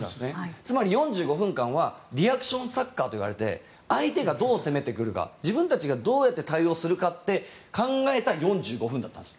つまり４５分間はリアクションサッカーといわれて相手がどう攻めるか自分たちがどう対応するかを考えた４５分だったんです。